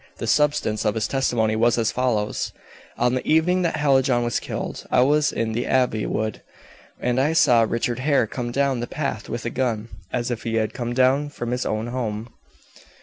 The substance of his testimony was as follows: "On the evening that Hallijohn was killed, I was in the Abbey Wood, and I saw Richard Hare come down the path with a gun, as if he had come down from his own home."